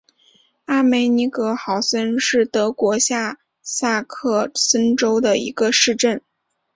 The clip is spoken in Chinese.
阿梅林格豪森是德国下萨克森州的一个市镇。